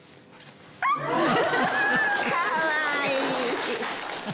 かわいい。